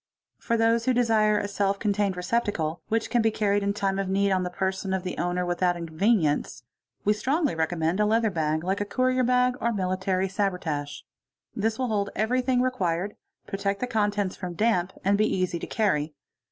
: For those who desire a self contained receptacle, which can be carried in time of need on the person of the owner without inconvenience, we strongly recommend a leather bag like a courier bag or military sabre tache (See Plate J, Fig. 1.) This will hold everything required, protect the contents from damp, and be easy to carry.